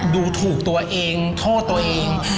ดูถูกตัวเองโทษตัวเอง